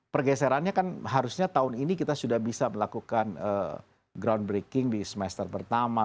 pergeserannya kan harusnya tahun ini kita sudah bisa melakukan groundbreaking di semester pertama